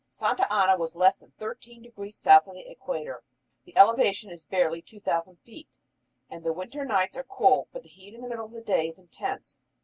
Santa Ana is less than thirteen degrees south of the equator; the elevation is barely 2000 feet; the "winter" nights are cool; but the heat in the middle of the day is intense.